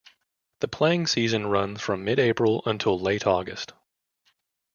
The playing season runs from mid-April until late August.